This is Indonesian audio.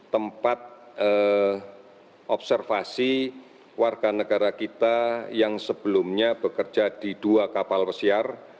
tempat observasi warga negara kita yang sebelumnya bekerja di dua kapal pesiar